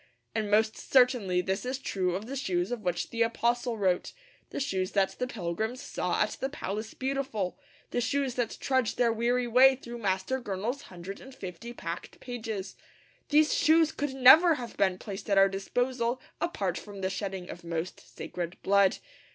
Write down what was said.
And most certainly this is true of the shoes of which the apostle wrote, the shoes that the pilgrims saw at the Palace Beautiful, the shoes that trudge their weary way through Master Gurnall's hundred and fifty packed pages. These shoes could never have been placed at our disposal apart from the shedding of most sacred blood.